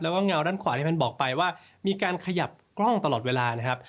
แล้วก็เงาด้านขวาที่ท่านบอกไปว่ามีการขยับกล้องตลอดเวลานะครับ